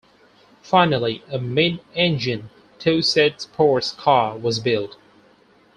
Finally, a mid-engined two-seat sports car was built.